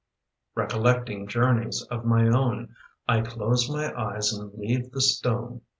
Recollecting journeys of my own, I close my eyes and leave the stone.